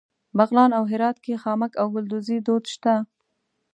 بغلان او هرات کې خامک او ګلدوزي دود شته.